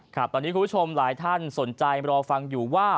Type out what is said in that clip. ครับตอนนี้คุณผู้ชมหลายท่านสนใจรอฟังอยู่ว่า